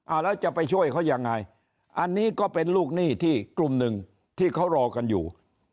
แล้วจะไปช่วยเขายังไงอันนี้ก็เป็นลูกหนี้ที่กลุ่มหนึ่งที่เขารอกันอยู่